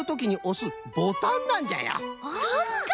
そっか！